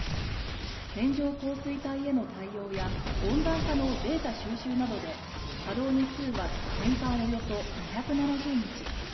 線状降水帯への対応や温暖化のデータ収集などで稼働日数は年間およそ２７０日。